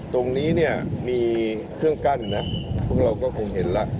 ตรงนี้เนี่ยมีเครื่องกั้นนะพวกเราก็คงเห็นแล้ว